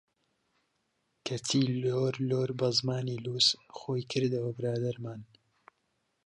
کەچی لۆر لۆر بە زمانی لووس، خۆی کردەوە برادەرمان!